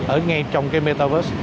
ở ngay trong cái metaverse